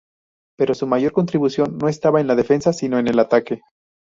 Pero su mayor contribución no estaba en la defensa, sino en el ataque.